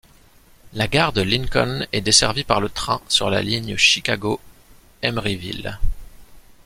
La Gare de Lincoln est desservie par le train sur la ligne Chicago-Emeryville.